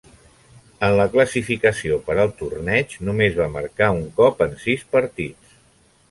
En la classificació per al torneig, només va marcar un cop en sis partits.